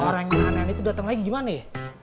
orang yang aneh aneh itu datang lagi gimana ya